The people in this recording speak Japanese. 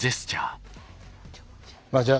あじゃあ